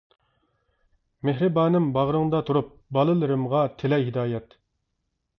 مېھرىبانىم باغرىڭدا تۇرۇپ، بالىلىرىمغا تىلەي ھىدايەت.